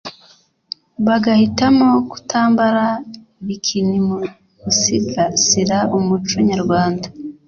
bagahitamo kutambara ’bikini’ mu gusigasira umuco nyarwanda